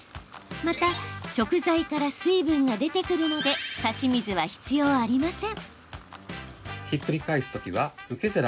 また、食材から水分が出てくるのでさし水は必要ありません。